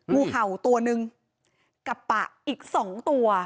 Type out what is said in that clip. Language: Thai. งูเห่าตัวนึงกับปะอีก๒ตัว